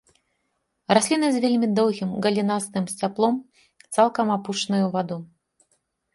Расліны з вельмі доўгім галінастым сцяблом, цалкам апушчаныя ў ваду.